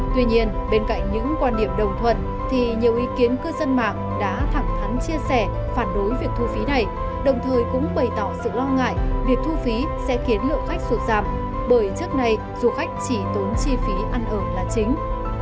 tuy nhiên bên cạnh những quan điểm đồng thuận thì nhiều ý kiến cư dân mạng đã thẳng thắn chia sẻ phản đối việc thu phí này đồng thời cũng bày tỏ sự lo ngại việc thu phí sẽ khiến lượng khách sụt giảm bởi trước này du khách chỉ tốn chi phí ăn ở là chính